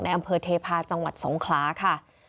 อำเภอเทพาะจังหวัดสงขลาค่ะ